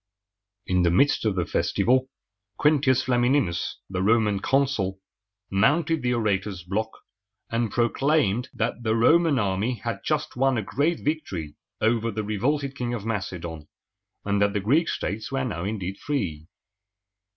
In the midst of the festival, Quin´tius Flam i ni´nus, the Roman consul, mounted the orator's block, and proclaimed that the Roman army had just won a great victory over the revolted King of Macedon, and that the Greek states were now indeed free.